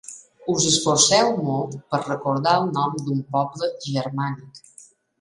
Us esforceu molt per recordar el nom d'un poble germànic.